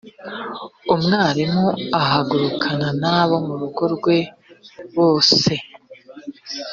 umwami ahagurukana n abo mu rugo rwe bose